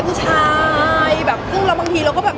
ก็บางทีเราก็เบา